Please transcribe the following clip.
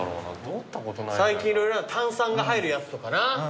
最近色々ある炭酸が入るやつとかな。